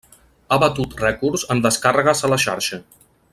Ha batut rècords en descàrregues a la xarxa.